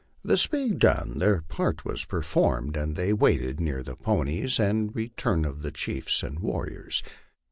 This being done, their part was performed, and they waited, near the ponies, the re turn of the chiefs and warriors.